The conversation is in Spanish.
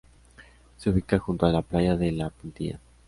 Se ubica junto a la playa de La Puntilla.